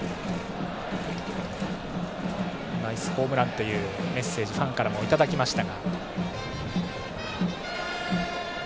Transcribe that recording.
ナイスホームラン！というメッセージをファンからもいただきました。